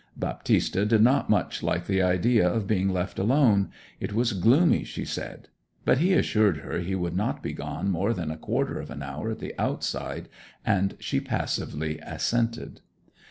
Baptista did not much like the idea of being left alone; it was gloomy, she said. But he assured her he would not be gone more than a quarter of an hour at the outside, and she passively assented.